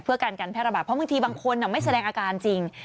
เพื่อกันการแพร่ระบาดเพราะบางทีบางคนไม่แสดงอาการจริง